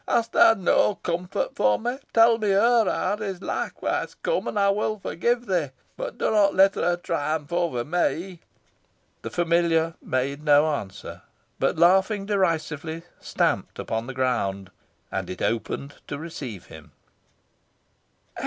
"Hast thou no comfort for me? Tell me her hour is likewise come, and I will forgive thee. But do not let her triumph over me." The familiar made no answer, but, laughing derisively, stamped upon the ground, and it opened to receive him.